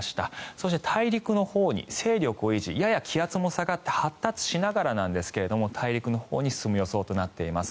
そして大陸のほうに勢力を維持やや気圧も下がって発達しながらなんですが大陸のほうに進む予想となっています。